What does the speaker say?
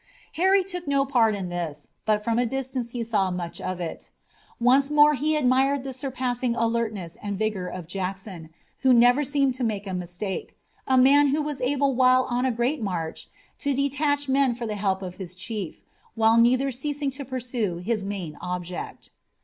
Harry took no part in this, but from a distance he saw much of it. Once more he admired the surpassing alertness and vigor of Jackson, who never seemed to make a mistake, a man who was able while on a great march to detach men for the help of his chief, while never ceasing to pursue his main object.